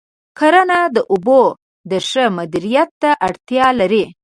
کرنه د اوبو د ښه مدیریت ته اړتیا لري.